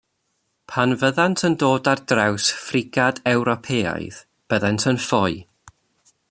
Pan fyddant yn dod ar draws ffrigad Ewropeaidd byddent yn ffoi.